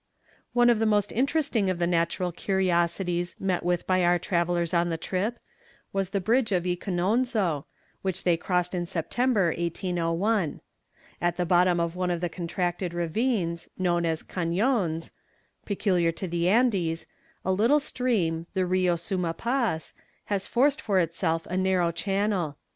One of the most interesting of the natural curiosities met with by our travellers on the trip, was the bridge of Jcononzo, which they crossed in September, 1801. At the bottom of one of the contracted ravines, known as "cañons," peculiar to the Andes, a little stream, the Rio Suma Paz, has forced for itself a narrow channel.